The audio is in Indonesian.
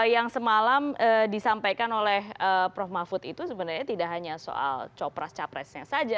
yang semalam disampaikan oleh prof mahfud itu sebenarnya tidak hanya soal copras capresnya saja